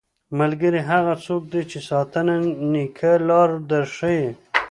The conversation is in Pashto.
ملګری هغه څوک دی چې تاته نيکه لاره در ښيي.